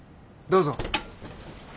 どうぞ。